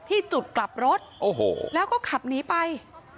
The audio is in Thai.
ที่จุดกลับรถโอ้โหแล้วก็ขับหนีไป